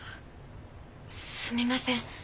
すみません。